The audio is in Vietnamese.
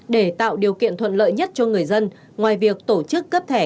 để tạo điều kiện thuận lợi nhất cho người dân ngoài việc tổ chức cấp thẻ